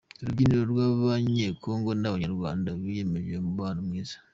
Urubyiruko rw’Abanyekongo n’Abanyarwanda biyemeje umubano mwiza